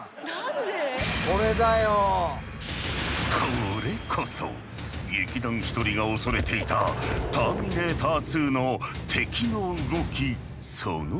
これこそ劇団ひとりが恐れていた「ターミネーター２」の敵の動きそのもの。